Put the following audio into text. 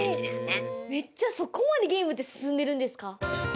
めっちゃそこまでゲームって進んでるんですか？